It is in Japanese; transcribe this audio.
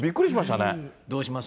これ、どうします？